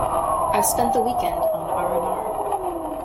I've spent the weekend on R and R.